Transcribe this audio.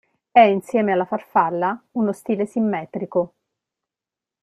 È insieme alla farfalla uno stile simmetrico.